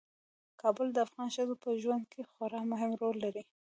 کابل د افغان ښځو په ژوند کې خورا مهم رول لري.